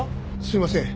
すいません。